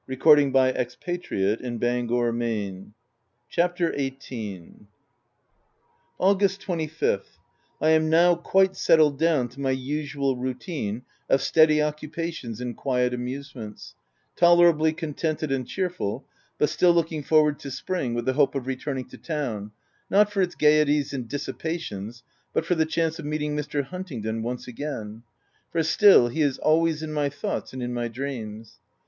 I wonder if it will. p 2 316 THE TENANT CHAPTER XVIII. THE MINIATURE. August 25th. — I am now quite settled down to my usual routine of steady occupations and quiet amusements — tolerably contented and cheerful, but still looking forward to spring with the hope of returning to town, not for its gaieties and dissipations, but for the chance of meeting Mr. Huntingdon once again ; for still, he is always in my thoughts and in my dreams.